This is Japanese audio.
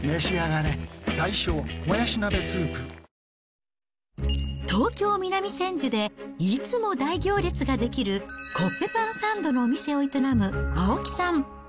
ニトリ東京・南千住で、いつも大行列が出来るコッペパンサンドのお店を営む青木さん。